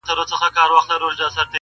عبدالباري حهاني!